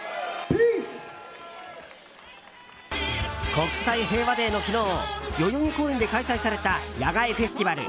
国際平和デーの昨日代々木公園で開催された野外フェスティバル